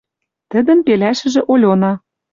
Тӹдӹн пелӓшӹжӹ Ольона